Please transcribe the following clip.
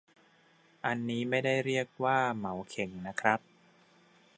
อันนี้ไม่ได้เรียกว่า 'เหมาเข่ง' นะครับ